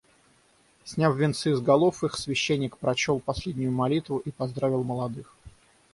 Сняв венцы с голов их, священник прочел последнюю молитву и поздравил молодых.